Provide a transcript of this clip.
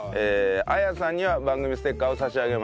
あやさんには番組ステッカーを差し上げます。